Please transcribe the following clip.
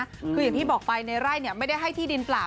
คืออย่างที่บอกไปในไร่เนี่ยไม่ได้ให้ที่ดินเปล่า